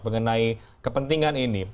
mengenai kepentingan ini